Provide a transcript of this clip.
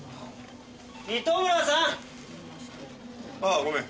糸村さん！ああごめん。